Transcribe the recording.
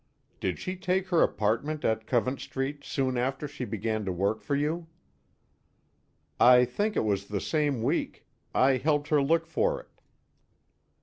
"Did she take her apartment at Covent Street soon after she began to work for you?" "I think it was the same week. I helped her look for it."